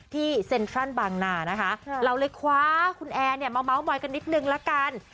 ที่เซ็นทรัลบางนานะคะเราเลยคว้าคุณแอร์เนี่ยมาเมาส์มอยกันนิดนึงละกัน